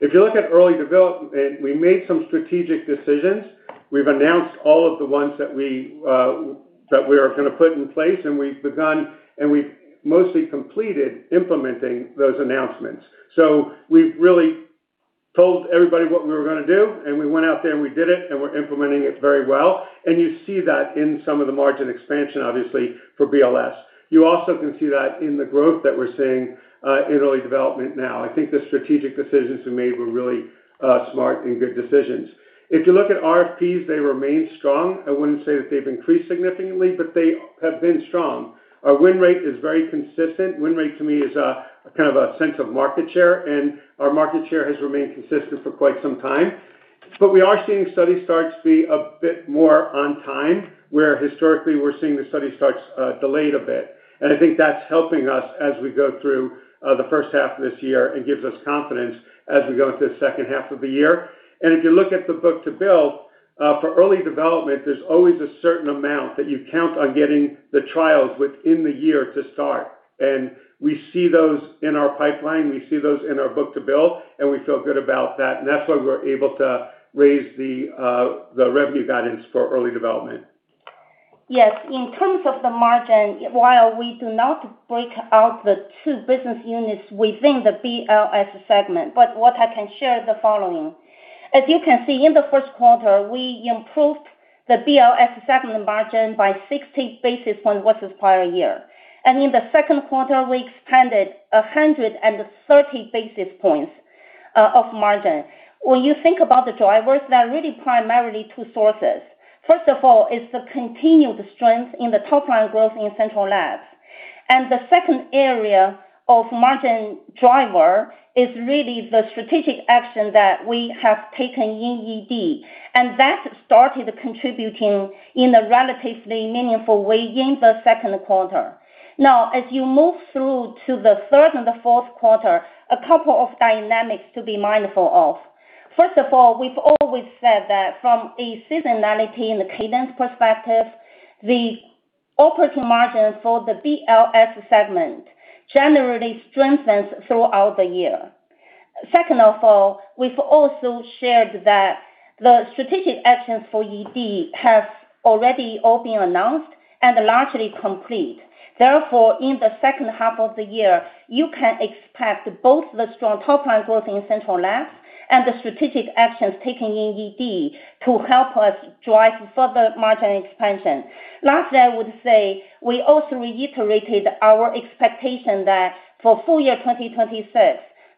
Early development, we made some strategic decisions. We've announced all of the ones that we are going to put in place, and we've begun, and we've mostly completed implementing those announcements. We've really told everybody what we were going to do, and we went out there, and we did it, and we're implementing it very well. You see that in some of the margin expansion, obviously, for BLS. You also can see that in the growth that we're seeing in early development now. I think the strategic decisions we made were really smart and good decisions. RFPs, they remain strong. I wouldn't say that they've increased significantly, but they have been strong. Our win rate is very consistent. Win rate to me is a sense of market share, and our market share has remained consistent for quite some time. We are seeing study starts be a bit more on time, where historically we're seeing the study starts delayed a bit. I think that's helping us as we go through the first half of this year and gives us confidence as we go into the second half of the year. The book-to-bill, for early development, there's always a certain amount that you count on getting the trials within the year to start. We see those in our pipeline, we see those in our book-to-bill, and we feel good about that. That's why we're able to raise the revenue guidance for early development. In terms of the margin, while we do not break out the two business units within the BLS segment, what I can share is the following. In the first quarter, we improved the BLS segment margin by 60 basis points versus prior year. In the second quarter, we expanded 130 basis points of margin. When you think about the drivers, there are really primarily two sources. It's the continued strength in the top line growth in central labs. The second area of margin driver is really the strategic action that we have taken in ED, and that started contributing in a relatively meaningful way in the second quarter. As you move through to the third and the fourth quarter, a couple of dynamics to be mindful of. First of all, we've always said that from a seasonality and a cadence perspective, the operating margin for the BLS segment generally strengthens throughout the year. Second of all, we've also shared that the strategic actions for ED have already all been announced and are largely complete. Therefore, in the second half of the year, you can expect both the strong top line growth in central labs and the strategic actions taken in ED to help us drive further margin expansion. Lastly, I would say we also reiterated our expectation that for full year 2026,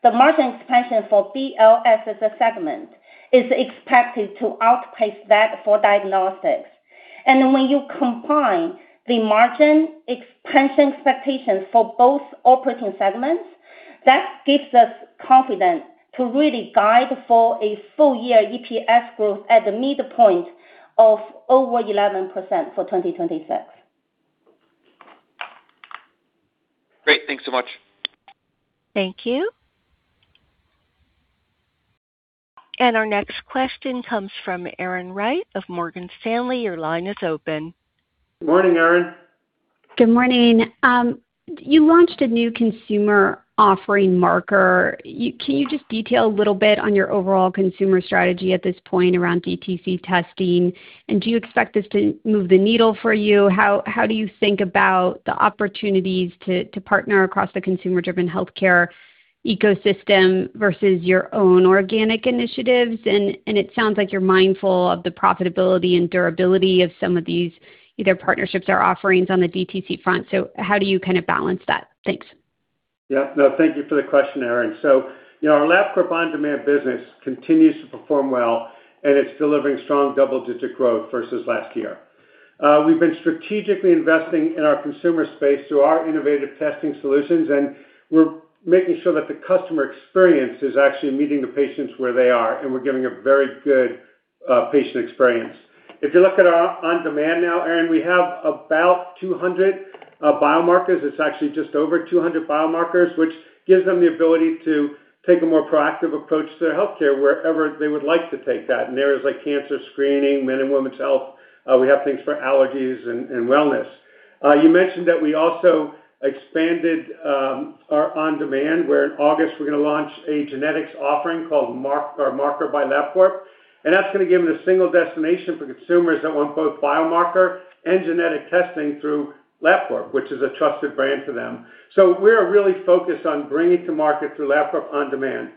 the margin expansion for BLS as a segment is expected to outpace that for diagnostics. When you combine the margin expansion expectations for both operating segments, that gives us confidence to really guide for a full-year EPS growth at the midpoint of over 11% for 2026. Great. Thanks so much. Thank you. Our next question comes from Erin Wright of Morgan Stanley. Your line is open. Morning, Erin. Good morning. You launched a new consumer offering Marker. Can you just detail a little bit on your overall consumer strategy at this point around DTC testing, do you expect this to move the needle for you? How do you think about the opportunities to partner across the consumer-driven healthcare ecosystem versus your own organic initiatives? It sounds like you're mindful of the profitability and durability of some of these either partnerships or offerings on the DTC front. How do you kind of balance that? Thanks. Yeah. No, thank you for the question, Erin. Our Labcorp OnDemand business continues to perform well, and it's delivering strong double-digit growth versus last year. We've been strategically investing in our consumer space through our innovative testing solutions, and we're making sure that the customer experience is actually meeting the patients where they are, and we're giving a very good patient experience. If you look at our OnDemand now, Erin, we have about 200 biomarkers. It's actually just over 200 biomarkers, which gives them the ability to take a more proactive approach to their healthcare wherever they would like to take that. There is cancer screening, men and women's health. We have things for allergies and wellness. You mentioned that we also expanded our OnDemand, where in August we're going to launch a genetics offering called Marker by Labcorp, that's going to give them a single destination for consumers that want both biomarker and genetic testing through Labcorp, which is a trusted brand for them. We are really focused on bringing to market through Labcorp OnDemand.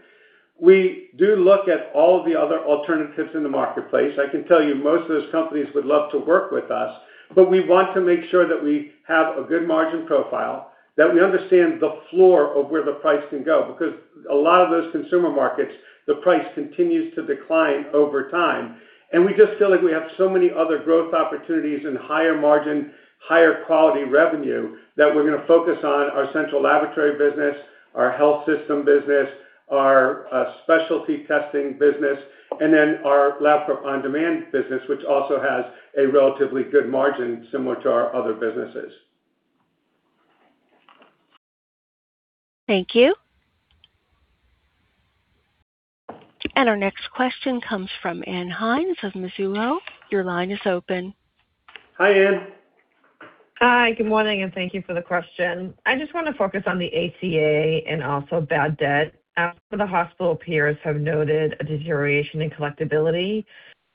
We do look at all of the other alternatives in the marketplace. I can tell you most of those companies would love to work with us, we want to make sure that we have a good margin profile, that we understand the floor of where the price can go, because a lot of those consumer markets, the price continues to decline over time. We just feel like we have so many other growth opportunities and higher margin, higher quality revenue that we're going to focus on our central laboratory business, our health system business, our specialty testing business, and then our Labcorp OnDemand business, which also has a relatively good margin similar to our other businesses. Thank you. Our next question comes from Ann Hynes of Mizuho. Your line is open. Hi, Ann. Hi, good morning, and thank you for the question. I just want to focus on the ACA and also bad debt. Some of the hospital peers have noted a deterioration in collectability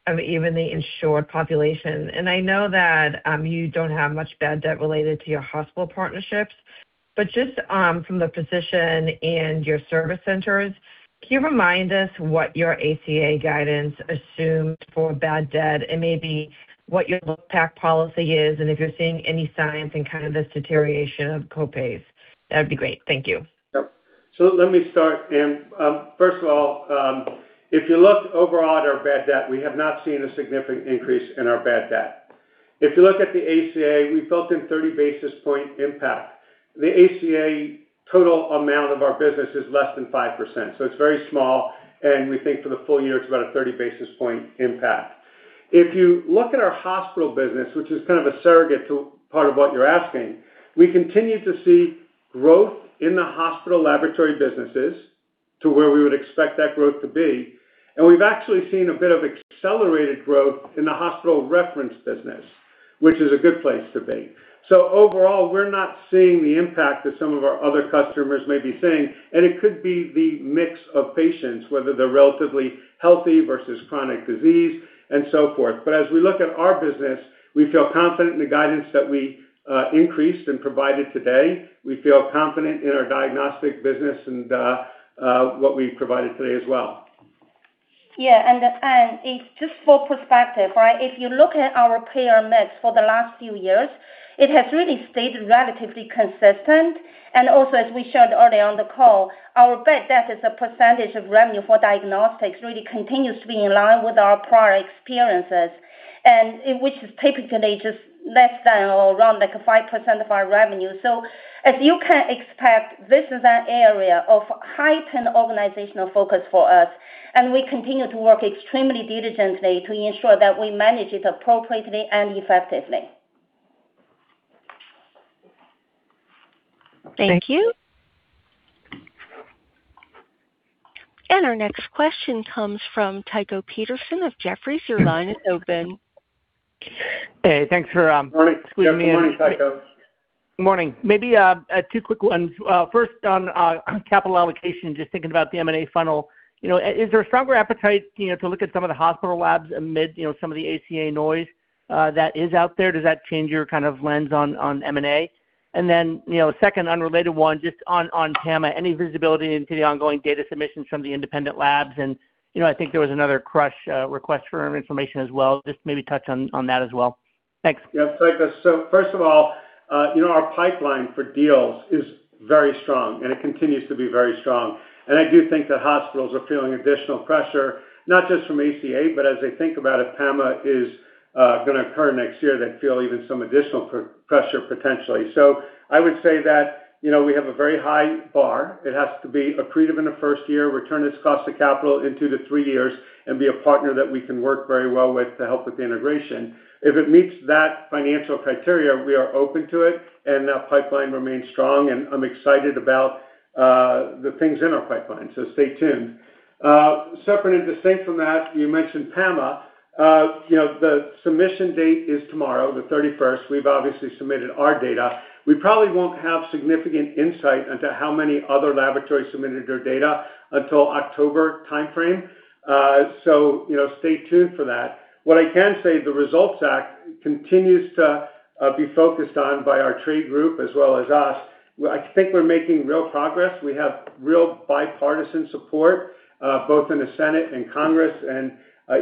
of even the insured population. I know that you don't have much bad debt related to your hospital partnerships, but just from the physician and your service centers, can you remind us what your ACA guidance assumed for bad debt and maybe what your look-back policy is and if you're seeing any signs in kind of this deterioration of co-pays? That'd be great. Thank you. Yep. Let me start, Ann. First of all, if you look overall at our bad debt, we have not seen a significant increase in our bad debt. If you look at the ACA, we built in 30 basis point impact. The ACA total amount of our business is less than 5%, so it's very small, and we think for the full year it's about a 30 basis point impact. We've actually seen a bit of accelerated growth in the hospital reference business, which is a good place to be. Overall, we're not seeing the impact that some of our other customers may be seeing, and it could be the mix of patients, whether they're relatively healthy versus chronic disease and so forth. As we look at our business, we feel confident in the guidance that we increased and provided today. We feel confident in our diagnostic business and what we've provided today as well. Yeah, Ann, it's just for perspective, right? If you look at our payer mix for the last few years, it has really stayed relatively consistent. Also, as we showed earlier on the call, our bad debt as a percentage of revenue for diagnostics really continues to be in line with our prior experiences, which is typically just less than or around 5% of our revenue. As you can expect, this is an area of heightened organizational focus for us, we continue to work extremely diligently to ensure that we manage it appropriately and effectively. Thank you. Our next question comes from Tycho Peterson of Jefferies. Your line is open. Hey, thanks for- Morning. Yeah, good morning, Tycho. squeezing me in. Morning. Maybe two quick ones. First, on capital allocation, just thinking about the M&A funnel. Is there a stronger appetite to look at some of the hospital labs amid some of the ACA noise that is out there? Does that change your lens on M&A? Then, a second unrelated one, just on PAMA, any visibility into the ongoing data submissions from the independent labs? I think there was another fresh request for information as well. Just maybe touch on that as well. Thanks. Yeah, thanks. First of all, our pipeline for deals is very strong, and it continues to be very strong. I do think that hospitals are feeling additional pressure, not just from ACA, but as they think about if PAMA is going to occur next year, they'd feel even some additional pressure, potentially. I would say that, we have a very high bar. It has to be accretive in the first year, return its cost of capital in two to three years, and be a partner that we can work very well with to help with the integration. If it meets that financial criteria, we are open to it, and that pipeline remains strong, and I'm excited about the things in our pipeline. Stay tuned. Separate and distinct from that, you mentioned PAMA. The submission date is tomorrow, the 31st. We've obviously submitted our data. We probably won't have significant insight into how many other laboratories submitted their data until October timeframe. Stay tuned for that. What I can say, the RESULTS Act continues to be focused on by our trade group as well as us. I think we're making real progress. We have real bipartisan support, both in the Senate and Congress, and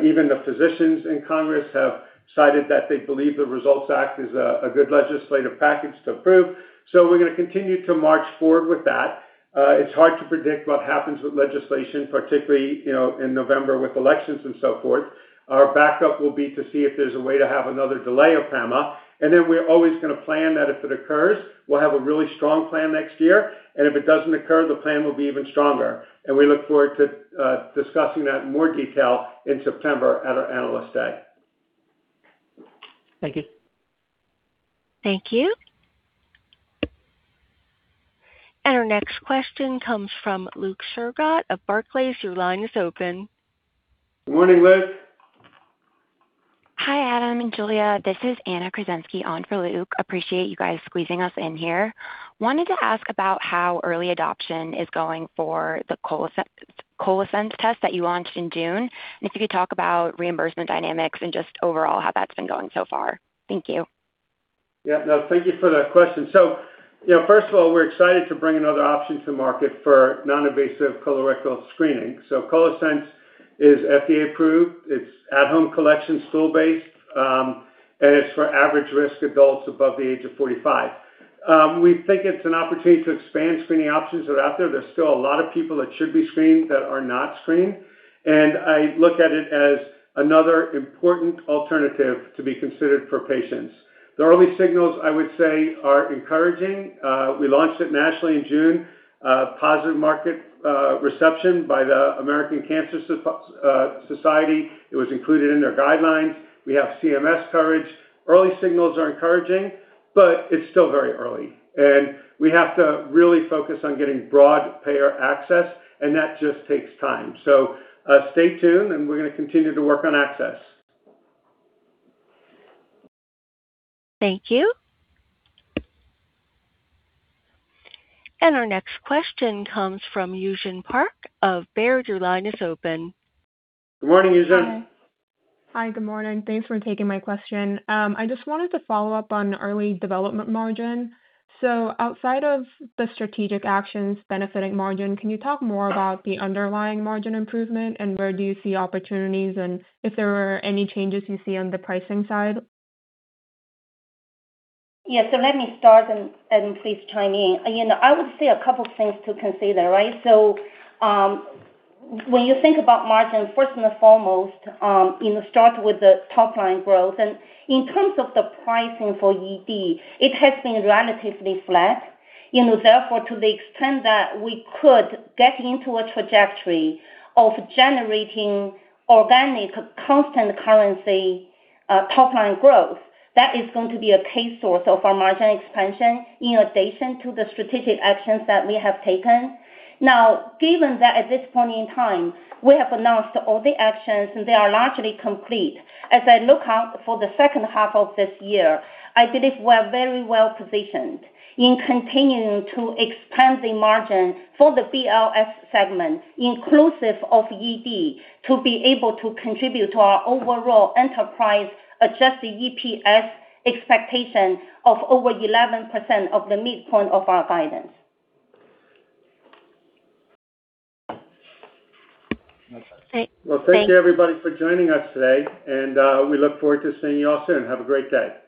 even the physicians in Congress have cited that they believe the RESULTS Act is a good legislative package to approve. We're going to continue to march forward with that. It's hard to predict what happens with legislation, particularly in November with elections and so forth. Our backup will be to see if there's a way to have another delay of PAMA, and then we're always going to plan that if it occurs, we'll have a really strong plan next year. If it doesn't occur, the plan will be even stronger. We look forward to discussing that in more detail in September at our Analyst Day. Thank you. Thank you. Our next question comes from Luke Sergott of Barclays. Your line is open. Morning, Luke. Hi, Adam and Julia. This is Anna Krasensky on for Luke. Appreciate you guys squeezing us in here. Wanted to ask about how early adoption is going for the ColoSense test that you launched in June. If you could talk about reimbursement dynamics and just overall how that's been going so far. Thank you. Yeah, no, thank you for that question. First of all, we're excited to bring another option to market for non-invasive colorectal screening. ColoSense is FDA-approved. It's at-home collection, stool-based, and it's for average-risk adults above the age of 45. We think it's an opportunity to expand screening options that are out there. There's still a lot of people that should be screened that are not screened. I look at it as another important alternative to be considered for patients. The early signals, I would say, are encouraging. We launched it nationally in June. Positive market reception by the American Cancer Society. It was included in their guidelines. We have CMS coverage. Early signals are encouraging, it's still very early, we have to really focus on getting broad payer access, and that just takes time. Stay tuned, we're going to continue to work on access. Thank you. Our next question comes from Yujin Park of Baird. Your line is open. Good morning, Yujin. Hi. Good morning. Thanks for taking my question. I just wanted to follow up on early development margin. Outside of the strategic actions benefiting margin, can you talk more about the underlying margin improvement, and where do you see opportunities, and if there are any changes you see on the pricing side? Yeah. Let me start, and please chime in. I would say a couple things to consider, right? When you think about margin, first and foremost, start with the top line growth. In terms of the pricing for ED, it has been relatively flat. To the extent that we could get into a trajectory of generating organic constant currency top line growth, that is going to be a key source of our margin expansion in addition to the strategic actions that we have taken. Given that at this point in time, we have announced all the actions, and they are largely complete. As I look out for the second half of this year, I believe we're very well positioned in continuing to expand the margin for the BLS segment, inclusive of ED, to be able to contribute to our overall enterprise adjusted EPS expectation of over 11% of the midpoint of our guidance. Thank you, everybody, for joining us today, and we look forward to seeing you all soon. Have a great day.